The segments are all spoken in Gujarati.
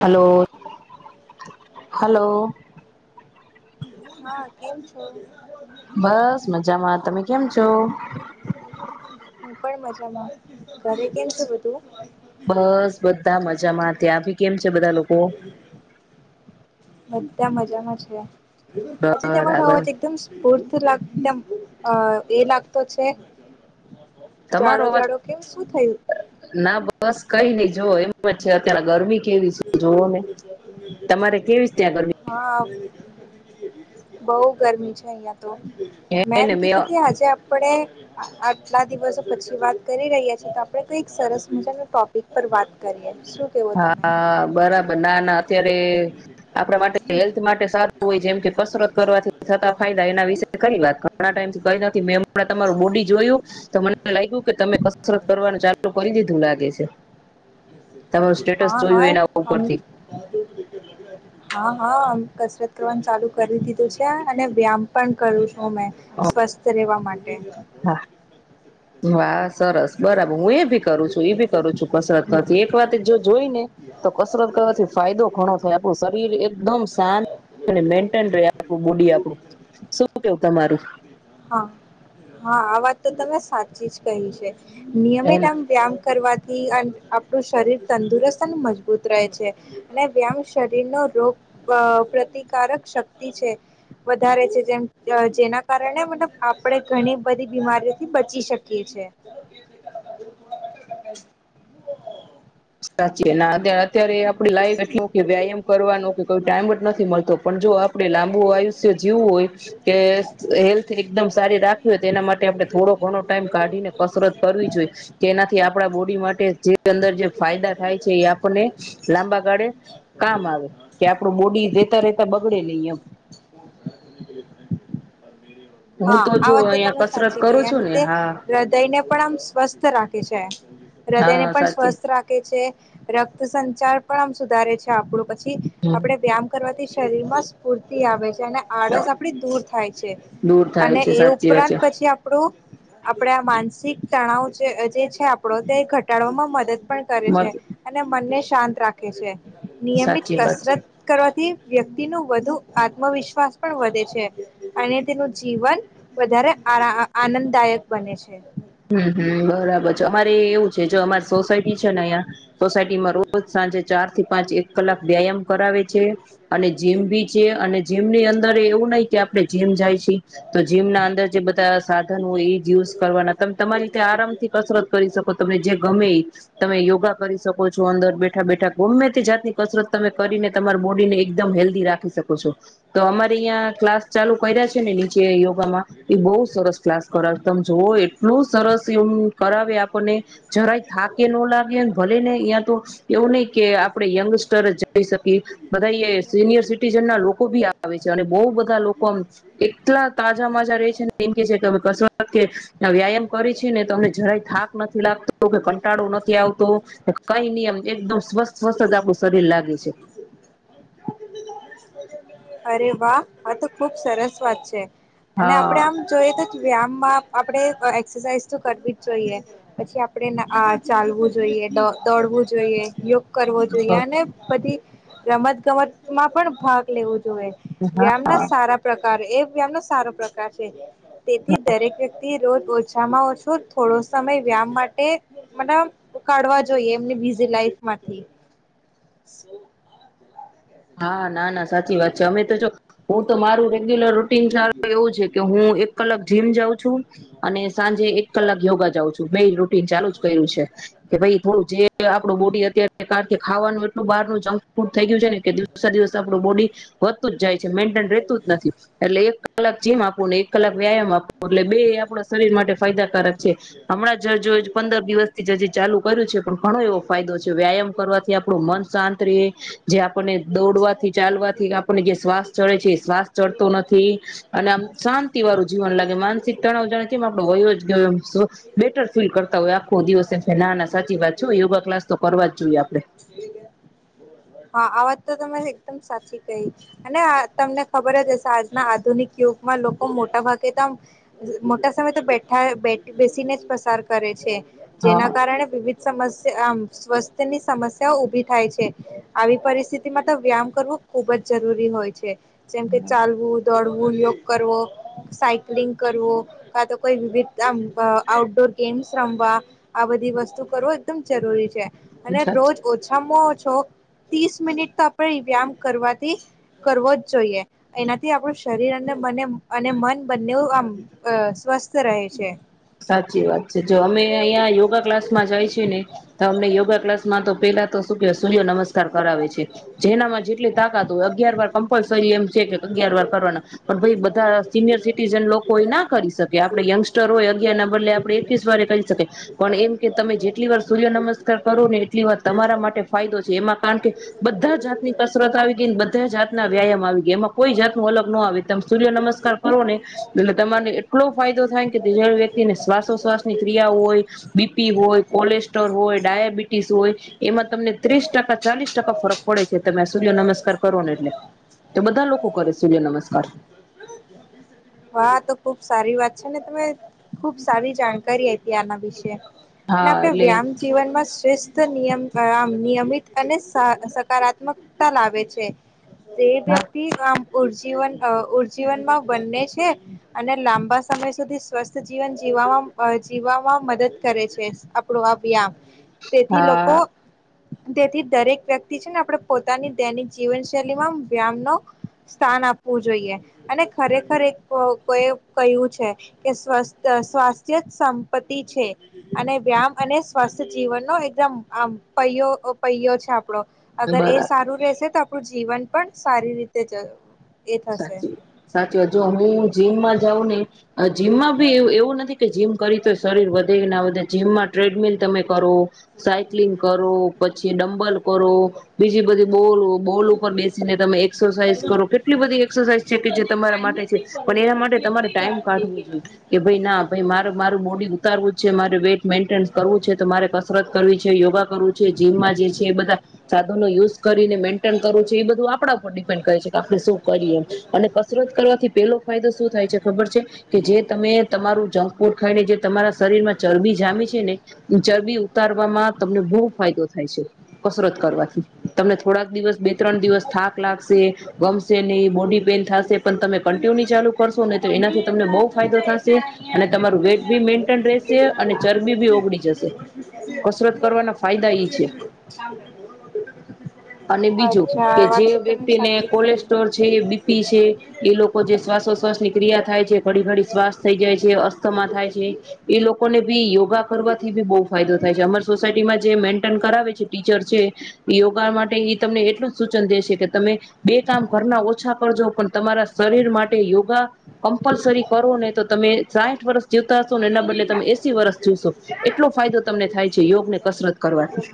Hello hello. હા, કેમ છો? બસ મજામાં, તમે કેમ છો? હું પણ મજામાં, ઘરે કેમ છે બધું? બસ બધા મજામાં, ત્યાં ભી કેમ છે બધા લોકો? બધા મજામાં છે. આજી બરાબર આવાજ એકદમ સ્પુર્ [unintelligible] એ લાગતો છે. તમારો જાડો, અવાજ જાડો કે શું થયું? ના બસ કઈ નઈ જોવ એમ. [unintelligible] છે અત્યારે ગરમી. કેવી સે જોવો ને તમારે કેવી ત્યાં ગરમી? હા બઉ ગરમી છે અહિયાં. તો મે એમ કીતી તી આજે આપણે કેટલા દિવસો પછી વાત કરી રહ્યા છીએ તો આપણે કઈક સરસ મજા ન ટોપિક પર વાત કરીએ. શું કેવો તમે? હા બરાબર ના ના અત્યારે આપણા માટે હેલ્થ માટે સારું હોય જેમ કે કસરત કરવાથી થતા ફાયદા એના વિશે કરી વાત ઘણા ટાઈમથી કરી નથી મેમણાં તમારું બોડી જોયું તો મને લાગ્યું કે તમે કસરત કરવાનું ચાલુ કરી દીધું લાગે છે. [unintelligible] સ્ટેટસ જોયું એના આમ ઉપરથી [inaudible] હા, હા. આમ કસરત કરવાનું ચાલુ કરી દીધું છે અને વ્યામપણ કરું છું. ઓ મે સ્વસ્થ રહેવા માટે હા. સરસ બરાબર હું એ ભી કરું છું એ ભી કરું છું કસરત કરવાથી એક વાત જો જોઈ ને તો કસરત કરવાથી ફાયદો ઘણો થાય આપું શરીર એકદમ શાંત મેન્ટન રેય આપડું બોડી આપણું, શું કેવું તમારું? હા હા વાત તો તમે સાચી જ કહી છે. નિય. હેને કી આપણું શરીર તંદુરસ્ત અને મજબૂત રહે છે. અને વ્યામ શરીરનો રોગ પ્ર પ્રતિકારક શક્તિ છે વધારે છે જેમ જેના કારણે મતલબ આપણે ઘણી બધી બીમારીઓથી બચી શકીએ છીએ. [inaudible] સાચી અત્યારે આપડી લાઈફ એટલું કે વ્યાયામ કરવાનો કે કોઈ ટાઈમ જ નથી મળતો, પણ જો આપડણે લાંબુ આયુષ્ય જીવું હોય કે હેલ્થ એકદમ સારી રાખવી હોય તો તેના માટે આપડણે થોડો ઘણો ટાઈમ કાઢીને કસરત કરવી જોઈએ કે એનાથી આપણા બોડી માટે જે અંદર જે ફાયદા થાય છે એ આપણને લાંબા ગાળે કામ આવે કે આપણું બોડી રહેેતા રેતા બગડે નહી એમ. હું તો જો અહિયાં કસરત કરું છું, ને હા હૃદયને પણ આમ સ્વસ્થ રાખે છે. હૃદયને હા પણ સાચી સ્વસ્થ રાખે છે. રક્ત સંચાર પણ આમ સુધારે છે આપણું. પછી આપડે વ્યાયામ કરવાથી શરીર માં સ્ફૂર્તિ આવે છે. જેને આળસ આપડી દૂર થાય છે, દૂર થાય અને છે એ સાચી વાત ઉપરાંત પછી આપણું આપણે આ માનસિક તણાવ જે જે છે આપણો તે ઘટાડવામાં મદદ પણ કરે છે, અને મનને શ શાંત રાખે છે. નિયમિત સાચી વાત છે કસરત કરવા. થી વ્યક્તિ નું વધુ આત્મવિશ્વાસ પણ વધે છે. અને તેનું જીવન વધારે આરા આનંદદાયક બને છે. હમ હમ બરાબર છે. અમારે એવું છે જો અમારી સોસાયટી છે ને અહીંયા સોસાયટી માં રોજ સાંજે ચાર થી પાંચ એક કલાક વ્યાયામ કરે આવે છે. અને જીમ ભી છે, અને જીમ ની અંદરેય એવું નહીં કે આપણે જીમ જાય છે, તો જીમ ના અંદર જે બધા સાધન હોય એ જ યુઝ કરવાના તમારી રીતે આરામ થી કસરત કરી શકો તમને જે ગમે ઇ, તમે યોગા કરી શકો છો, અંદર બેઠા બેઠા ગમે તે જાતની કસરત તમે કરીને તમારા બોડી ને એકદમ હેલ્ધી રાખી શકો છો, તો અમારે અહીંયા ક્લાસ ચાલુ કર્યા છે ને કે યોગામાં, એ બઉ સરસ ક્લાસ કરાવ તમે જોવો એ લુ સરસ એવુ કરાવે આપણને, જરાય થાકે ન લાગે ભલે ને અં તો એવું નહી કે આપડે યંગસ્ટર જઈ શકીએ, બધાઈ એ સિનિયર સિટીઝન ના લોકો ભી આવે છે અને બોઉ બધા લોકો આમ એટલા તાજા માજા રે છે ને એમ કે છે કે કસરત કે ના વ્યાયામ. કરી છે ને તમને જરાય થાક નથી. લ [unintelligible] કંટાળો નથી આવતો? કઈ નિયમ એકદમ સ્વસ્થ સ્વસ્ત આપણું શરીર લાગે છે. અરે વાહ! આ તો ખુબ સરસ વાત છે. અને આપડે હા આમ જોઈએ તો વ્યાયામમાં આપણે એક્સરસાઇઝ તો કરવી જ જોઈએ. પછી આપણે ચાલવું જોઈએ. દ દોડવું જોઈએ. યોગ કરવો જોઈએ હા અને બધી રમત ગમત માં પણ ભાગ લેવો. હોય, વ્યામ ના સારા પ્રકાર એ વ્યામ નો સારો પ્રકાર છે. તેથી દરેક વ્યક્તિ રોજ ઓછામાં ઓછો થોડો સમય વ્યામ માટે મતલબ કાડવો જોઈએ એમની બીઝ લાઈફમાંથી. હા ના ના સાચી વાત છે અમે તો જો હું તો મારુ રેગ્યુલર ટીન જાણે એવું છે કે હું એ એક કલાક જીમ જાવું અને સાંજે એક કલાક યોગા જાઉ છું બે ઈ ચાલુ જ કર્યું છે. કે ભાઈ થોડું જે આપડું બોડી અત્યારે કારણ કે ખાવાનું એટલું બહાર નું જંકફૂડ થઈ ગયું છે ને કે દિવસે દિવસે આપણું બોડી, બો વધતું જ જાય છે, મેન્ટેન રહેતું જ નથી. એટલે એક અલગ જીમ આપ [unintelligible] એક કલાક વ્યાયામ આપવો એટલે બેય આપણા શરીર માટે ફાયદાકારક છે. હમણાં જ જો પંદર દિવસ [unintelligible] હજી ચાલુ કર્યું છે પણ ઘણો એવો ફાયદો છે વ્યાયામ કરવાથી આપણું મન શાંત રેય જે આપણને દોડવાથી, ચાલવાથી આપણેને જે શ્વાસ ચડે છે એ શ્વાસ ચડતો નથી, અને આમ શાંતિ વાળું જીવન લાગે માનસિકતા નો [unintelligible] [unintelligible] બેટર ફીલ કરતા હોય આખો દિવસ એમ થાય કે ના, ના સાચી વાત છે હો યોગા ક્લાસ તો કરવા જ જોઈએ આપડે. હા આ વાત તો તમે એકદમ સાચી કહી, અને તમને ખબર જ હશે આજના આધુનિક યુગમાં લોકો મોટા ભાગે તો આમ મોટા સમયે તો બેઠા બેઠ બેસીને જ પસાર કરે છે. જેના હા કારણે વિવિધ સમસ્યા [unintelligible] આમ સ્વસ્થ્યની સમસ્યાઓ ઊભી થાય છે. આવી પરિસ્થિતિમાં તો વ્યાયામ કરવો ખૂબ જ જરૂરી હોય છે. જેમ કે ચાલવું, દોડવું. [unintelligible] કરવો સાયકલિંગ કરવો કા તો કોઈ વિવિધ આમ આઉટડોર ગેમ્સ રમવા આ બધી વસ્તુ કરવો એકદમ જરૂરી છે. અને સાચી રોજ ઓછામાં તો ત્રીસ મિનિટ તો આપણે વ્યામ કરવાથી કરવો જ જોઈએ એનાથી આપણું શરીર અને મને અને મન બંને આમ સ્વસ્થ રહે છે. સાચી વાત છે. જો અમે અહિયાં યોગા ક્લાસ માં જાય છી ને તો અમને યોગા ક્લાસ માં તો પેલા તો શું કેય સૂર્ય નમસ્કાર કરાવે છે. જેનામાં જેટલી તાકાત હોય અગિયાર વાર કમ્પલસરી એમ છે કે અગિયાર વાર કરવાના પણ પછી બધા સિનિયર સિટીઝન લોકો ના કરી શકે. આપડે યંગસ્ટર હોય તેના બદલે આપડે એકવીસ વારે કરી શકીએ. પણ એમ કે તમે જેટલી વાર સૂર્ય નમસ્કાર કરો ને એટલી વાર તમારા માટે ફાયદો છે એમાં કારણ કે બધા જાતની કસરત આવી ગઈને બધા જાતના વ્યાયામ આવી ગયા એમાં કોઈ જાતનો અલગ ન આવે ત સૂર્ય નમસ્કાર કરો ને એટલે તમાને એટલો ફાયદો થાય [unintelligible] શ્વાસો્વાસની ક્રિયા હોય બી પી હોય કોલેસ્ટ્રોલ હોય ડાયાબિટીસ હોય એમાં તમને ત્રીસ ટકા, ચાલીસ ટકા ફરક પડે છે. તમે સૂર્ય નમસ્કાર કરો ને એટલે તો બધા લોકો કરે. સૂર્ય નમસ્કાર છેન તમે ખુબ સારી જાણકારી આયપી આના વિશે. અને હા આપણે એટલે વ્યામ જીવનમાં શ્રેષ્ઠ નિયમ. વ્યાયામ નિયમિત અને સા સકારાત્મકતા લાવે છે. તે હા વ્યક્તિ આમ ઉર્જીવન અ ઉર્જીવનમાં બને છે અને લાંબા સમય સુધી સ્વસ્થ જીવન જીવામાં જીવવામાં મદદ કરે છે આપણો આ વ્યામ તેથી લોકો હા તેથી દરેક વ્યક્તિ છે ને આપણે પોતાની દૈનિક જીવન શૈલીમાં વ્યામ નો સ્થાન આપવું જોઈએ અને ખરેખર એક કોયે કહ્યું છે કે સ્વસ્થ સ્વાસ્થ્ય સંપત્તિ છે અને વ્યામ અને સ્વસ્થ્ય જીવનનો એકદમ આમ પૈયો [unintelligible] પૈયો છે આપડો અગર એ બરાબર સારું રહશે તો આપણું જી જીવન પણ સારી રીતે જય સાચી સાચી હજુ હું જીમમાં જાઉં ને જીમમાં વ એવું નથી કે જીમ કરી તો શરીર વધે ના વધે જીમમાં ટ્રેડમિલ તમે કરો--. સાયક્લિંગ કરો પછી જે ડમંબલ કરો બીજી બધી બોલ બોલ ઉપર બેસીને તમે એક્સરસાઇઝ કરો કેટ એટલી બધી એક્સરસાઇઝ છે કે જે તમારા માટે છે પણ એના માટે તમારે ટાઈમ કાઢવો જોઈએ કે ભાઈ ના મારે મારું બોડી ઉતારવું છે મારે વેઇટ મેન્ટેન કરવું છે તો મારે કસરત કરવી છે યોગા કરવું છે જીમમાં જે છે એ બધા--. સાધનો યુઝ કરીને મેન્ટેન કરું છ છે એ બધું આપણા ઉપ--. પણ કરી શકાય. આપણે શું કરીએ, અને કસરત કરવાથી પેલો ફાયદો શું થાય છે ખબર છે કે જે તમે તમારું જંક ફૂડ ખાઈને જે તમારા શરીર માં ચરબી જામી છે ને, ઈ ચરબી ઉતારવામાં તમને બહુ ફાયદો થાય છે કસરત કરવાથી. તમને થોડાક દિવસ બે ત્રણ દિવસ થાક લાગશે, ગમશ ગમશે નહી બોડી પેન થશે પણ તમે કન્ટિન્યુ ચાલુ કરશો નહી તો અમે એનાથી તમને બહુ ત્યાં તો ફાયદો જાય થશે એટલે અને અહીંયા તમારું કેટલું એને વેટ ભી મેન્ટેન રહેશે અને ચરબી બી ઓગળી જશે. કસરત કરવાના ફાયદા ઈ છે. અને બીજું અચ્છા કે આ વાત જે તો તમે વ્યક્તિને સાચી કહી કોલેસ્ટ--. છે, બીપી છે ઈ લોકો જે શ્વાસોશ્વાસ ની ક્રિયા થાય છે, ઘડી-ઘડી શ્વાસ થઈ જાય છે, અસ્થમાં થાય છે, ઈ લોક લોકોને બી યોગા કરવાથી બી બહ ફાયદો થાય છે અમારી સોસાયટીમાં જે મેન્ટેન કરાવે છે ટીચર છે યોગા માટે એ તમને એટલું જ સૂચન દે છે કે તમે--. કામ ઘર ના ઓછા કરજો પણ--. તમારા શરીર માટે યોગા કમ્પલસરી કરો ને તો તમે સાઠ વર્ષ જીવતા હશો ને એના બદલે તમે એસી વર્ષ જીવશો એટલો ફાયદો તમને થાય છે યોગને કસરત કરવાની.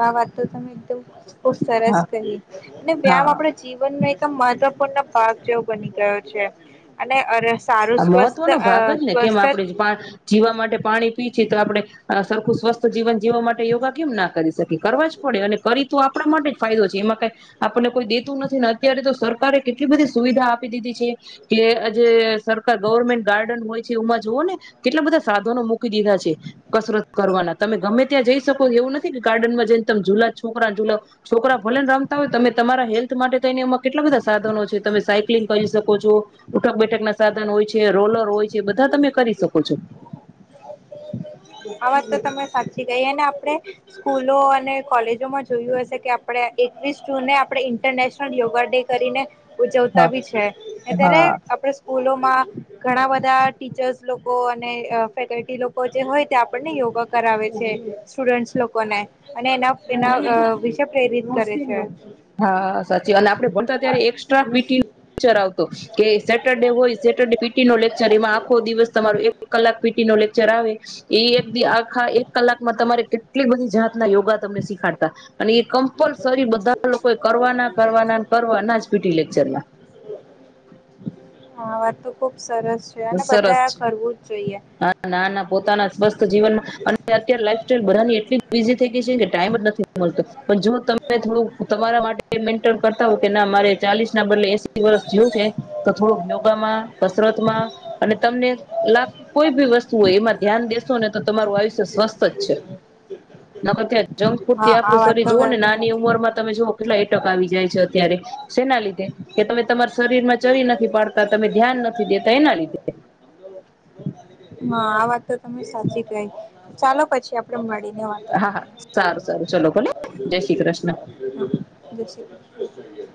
આ વાત તો તમે તો ખુબ સરસ કહી. અને હા વ્યામ આપણા જીવનમાંય એકદમ મહત્વપૂર્ણ ભાગ જેવો બની ગયો છે. અને રસ હા મહત્વનો ભાગ જ ને, કેમ આપણેે પા જીવા માટે પાણી પી છી તો આપણે સરખું સ્વસ્થ જીવન જીવવા માટે યોગા કેમ ના કરી શકી, કરવા જ પડે, અને કરી તો આપણા માટે જ ફાયદો છે, એમાં કાઈ આપણને કોઈ દેતું નથી, ને અત્યારે તો સરકારે કેટલી બધી સુવિધા આપી દીધી છે કે આજે સર કાર ગવર્મેન્ટ ગાર્ડન હોય છે, એમાં જુઓ ને કેટલા બધા સાધનો મૂકી દીધા છે, કસરત કરવાના. તમે ગમે ત્યાં જઈ શકો એવું નથી કે ગાર્ડનમાં જઈને તમે જુલા છોકરાન જુલાવ, છોકરા ભલે ને રમતા હોય તમે તમારા હેલ્થ માટે થઈને એમાં કેટલા બધા સાધનો છે, તમે સાયકલિંગ કરી શકો છો, ઉઠક બેઠક ના સાધ ધન હોય છે, રોલર હોય છે, એ બધા તમે કરી શકો છો. આ વાત તો તમે સાચી કઈ આપણે સ્કૂલો અને કોલેજોમાં જોયું હશે કે આપણે એકવીસ જૂને આપણે ઇન્ટરનેશનલ યોગા ડે કરીને--. ઉજવતા હા બી છે. અત્યારે હા આપણે સ્કૂલો માં ઘણા બધા ટીચર્સ લોકો અને અહ ફેકલ્ટી લોક જે હોય તે આપણને યોગા કરાવે છે સ્ટુડન્ટસ લોકોને અને એના એના વિશે પ્રેરિત કરે છે. હા સાચી અને આપણે ભણતા ત્યારે એક્સ્ટ્રા પી ટી નું લેચર આવતો કે સેટરડે હોય સેટરડે પી ટી નો લેક્ચર એમાં આખો દિવસ તમારો એક એક કલાક પીટી નો લે ચરાવે એ એકી આખા એક કલાકમાં તમારે કેટલી બધી જાત--. યોગા તમને શીખાડતા અને એ કમ્પલસરી બધા લોકોએ કરવાના, કરવાના, ને કરવાના જ પી ટી લેક્ચરના હા વાત તો ખુબ સરસ છે અને સરસ બધા આ કરવું જ જોઈએ. તાના જ બસ જીવન હા અને અત્યારે લાઈફ બધાની એટલી બીઝી થઈ ગઈ છે ને કે ટાઈમ જ નથી મળતો. પણ જો તમે થોડું તમારા માટે મેન્ટેન કરતા હો કે ના મારે ચાલીસ ના બદલે એસી વર્ષ જીવવું છે, તો થોડું યોગામાં, કસરતમાં અને તમને લાગતી કોઈ બી વસ્તુ હોય એમાં ધ્યાન દેશો, ને તો તમારું આયુષ્ય સ્વસ્થ જ છે. નકર તો જંક ફૂડ થી આ આપણું વાત શરીર તો જુઓ ને તમે નાની સાચી ઉંમર માં તમે કરી જુઓ કેટલા એટેક આવી જાય છે અત્યારે. સેના લીધે કે તમે તમાર શરીર માં ચરી નથી પાડતા, તમે ધ્યાન નથી દેતા એના લીધે. હા આ વાત તો તમે સાચી કહિ, ચાલો પછી આપડે મળી. હા હા સારું સારું ચલો ભલે જય શ્રી કૃષ્ણ જય શ્રી કૃષ્ણ.